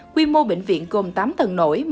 quy mô bệnh viện gồm tám tầng nổi